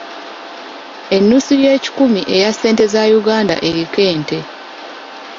Ennusu y'ekikumi eya ssente za Uganda eriko ente.